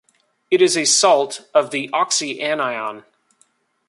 It is a salt of the oxyanion.